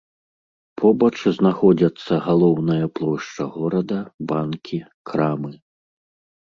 Побач знаходзяцца галоўная плошча горада, банкі, крамы.